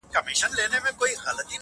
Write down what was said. دا خبره د هارون حکیمي د نوې شعري ټولګي